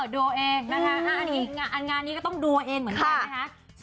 ดูเองนะคะงานนี้ก็ต้องดูเองเหมือนกันนะคะ